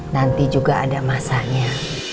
nanti juga ada masanya